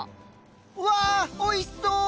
うわおいしそう！